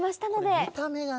これ見た目がね。